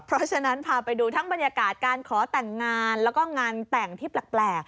เพราะฉะนั้นพาไปดูทั้งบรรยากาศการขอแต่งงานแล้วก็งานแต่งที่แปลก